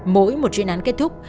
mỗi một chuyên án kết thúc